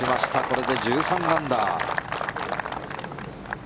これで１３アンダー。